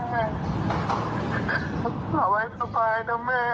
เอาไว้สบายนะแม่